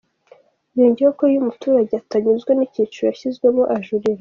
Yongeyeho ko iyo umuturage atanyuzwe n’ icyiciro yashyizwemo ajurira.